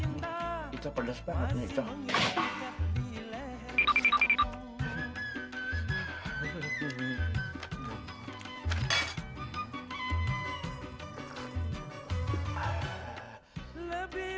itoh pedes banget nih itoh